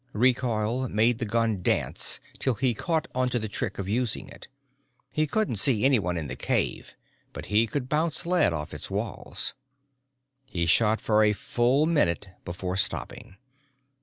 Recoil made the gun dance till he caught onto the trick of using it. He couldn't see anyone in the cave but he could bounce lead off its walls. He shot for a full minute before stopping.